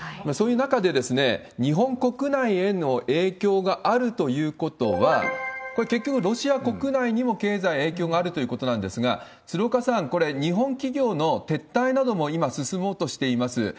そういう中で、日本国内への影響があるということは、これ、結局ロシア国内にも経済、影響があるということなんですが、鶴岡さん、これ、日本企業の撤退なども今、進もうとしています。